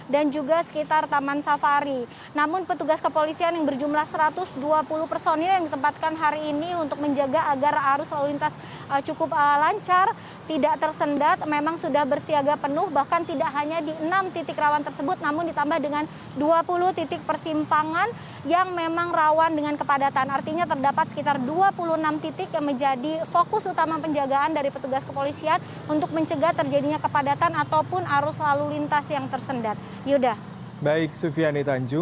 dan juga sekitar taman safari namun petugas kepolisian yang berjumlah satu ratus dua puluh personil yang ditempatkan hari ini untuk menjaga agar arus lalu lintas cukup lancar tidak tersendat memang sudah bersiaga penuh bahkan tidak hanya di enam titik rawan tersebut namun ditambah dengan dua puluh titik persimpangan yang memang rawan dengan kepadatan artinya terdapat sekitar dua puluh enam titik yang menjadi fokus utama penjagaan dari petugas kepolisian untuk mencegah terjadinya kepadatan ataupun arus lalu lintas